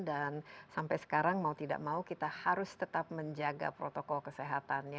dan sampai sekarang mau tidak mau kita harus tetap menjaga protokol kesehatannya